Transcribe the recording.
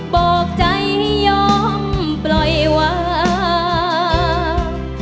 บอกใจให้ยอมปล่อยวาง